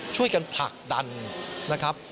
ช่วยกันผลักดันนะครับ